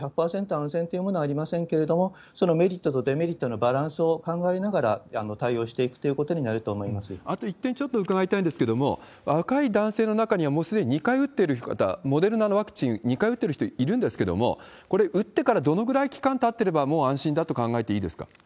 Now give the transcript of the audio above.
安全というものはありませんけれども、そのメリットとデメリットのバランスを考えながら対応していくとあと１点、ちょっと伺いたいんですけれども、若い男性の中には、もうすでに２回打ってる方、モデルナのワクチン２回打ってる人いるんですけれども、これ、打ってからどのぐらい期間たってればもう安心だと考えていいです